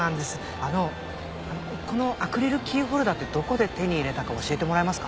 あのこのアクリルキーホルダーってどこで手に入れたか教えてもらえますか？